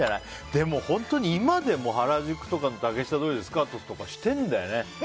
でも本当に今でも原宿とか竹下通りでスカウトとかしてるんだよね。